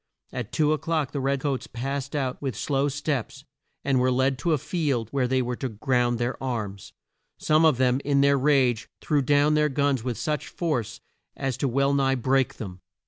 At two o'clock the red coats passed out with slow steps, and were led to a field where they were to ground their arms. Some of them, in their rage, threw down their guns with such force as to well nigh break them.